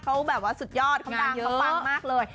เขาแบบว่าสุดยอดเขาดังเขาปังมากเลย